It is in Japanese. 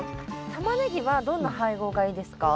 タマネギはどんな配合がいいですか？